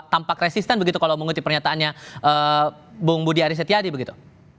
tampak resisten begitu kalau mengutip pernyataannya bung budi arisetyadi begitu